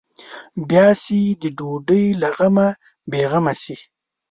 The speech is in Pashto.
بیا چې د ډوډۍ له غمه بې غمه شي.